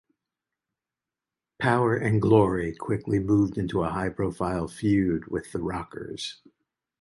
Power and Glory quickly moved into a high-profile feud with The Rockers.